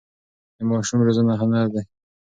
د ماشوم روزنه هنر دی.